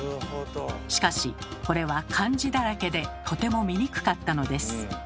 しかしこれは漢字だらけでとても見にくかったのです。